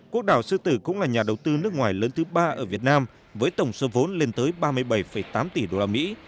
quốc đảo sư tử cũng là nhà đầu tư nước ngoài lớn thứ ba ở việt nam với tổng số vốn lên tới ba mươi bảy tám tỷ đô la mỹ